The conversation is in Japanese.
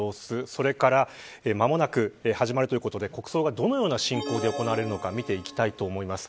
それから間もなく始まるということで国葬がどのような進行で行われるのか見ていきたいと思います。